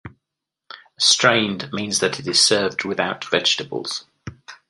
"Strained" means that it is served without vegetables.